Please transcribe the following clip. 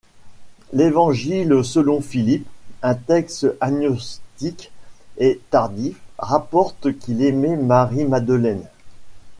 L'Évangile selon Philippe, un texte agnostique et tardif, rapporte qu'il aimait Marie-Madeleine.